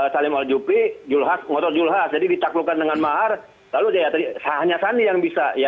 salim al jubri ngotot julhas jadi ditaklukan dengan mahar lalu hanya sandi yang bisa